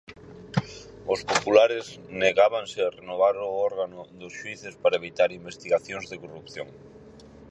Os 'populares' negábanse a renovar o órgano dos xuíces para evitar investigacións de corrupción.